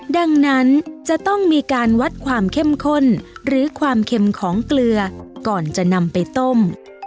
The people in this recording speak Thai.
ดังนั้นจะต้องมีการวัดความเข้มข้นหรือความเค็มของเกลือก่อนจะนำไปต้ม